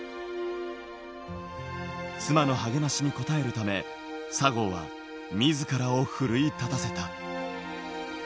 妻の励ましに応えるため、佐合は自分を奮い立たせた。